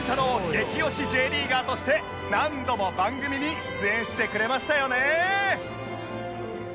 激推し Ｊ リーガーとして何度も番組に出演してくれましたよね！